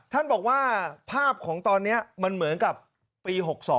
ท่านบอกว่าภาพของตอนนี้มันเหมือนกับปี๖๒